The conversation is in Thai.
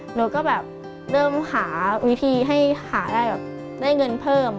หนูก็เริ่มหาวิธีให้หาได้เงินเพิ่ม